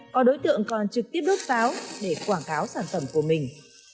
có đối tượng còn trực tiếp đốt pháo để quảng cáo sản phẩm của mình